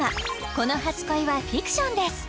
「この初恋はフィクションです」